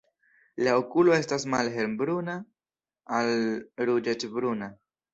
La okulo estas malhelbruna al ruĝecbruna.